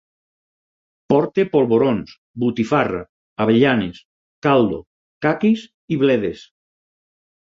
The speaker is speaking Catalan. Porta polvorons, botifarra, avellanes, caldo, caquis i bledes